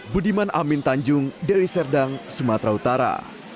budiman amin tanjung dari serdang sumatera utara